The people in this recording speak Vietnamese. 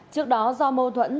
trước đó do mô thuẫn